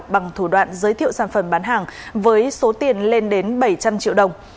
bằng thủ đoạn giới thiệu sản phẩm bán hàng với số tiền lên đến bảy trăm linh triệu đồng